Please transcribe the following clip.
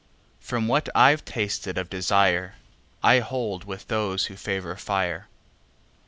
From what I've tasted of desireI hold with those who favor fire.